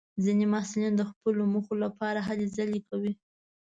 ځینې محصلین د خپلو موخو لپاره هلې ځلې کوي.